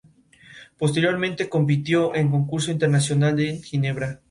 Posteriormente compitió en un Concurso Internacional en Ginebra.